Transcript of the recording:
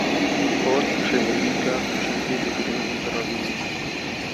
Xort jî hêdika bi çengê digre û direvîne.